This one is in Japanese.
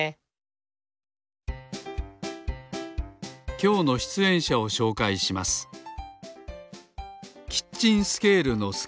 きょうのしゅつえんしゃをしょうかいしますでした